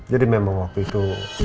jadi memang waktu itu